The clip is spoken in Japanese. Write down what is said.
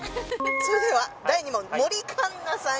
それでは第２問。